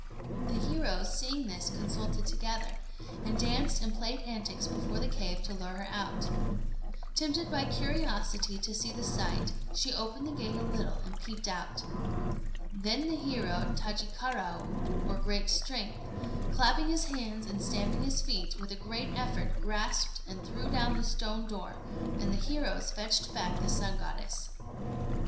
The heroes, seeing this, consulted together, and danced and played antics before the cave to lure her out. Tempted by curiosity to see the sight, she opened the gate a little and peeped out. Then the hero Tajikaraô, or "Great Strength," clapping his hands and stamping his feet, with a great effort grasped and threw down the stone door, and the heroes fetched back the Sun Goddess.